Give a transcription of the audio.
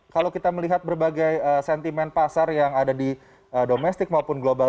enam empat ratus enam puluh delapan kalau kita melihat berbagai sentimen pasar yang ada di domestik maupun global